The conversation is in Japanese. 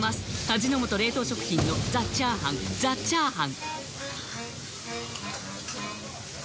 味の素冷凍食品の「ザ★チャーハン」「ザ★チャーハン」